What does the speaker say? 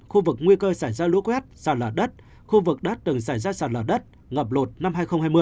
khu vực nguy cơ xảy ra lũ quét sản lợt đất khu vực đất từng xảy ra sản lợt đất ngập lột năm hai nghìn hai mươi